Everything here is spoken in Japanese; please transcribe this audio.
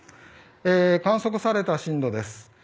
観測された震度です。